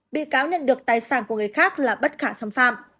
bị cáo nhận được tài sản của người khác là bất khả xâm phạm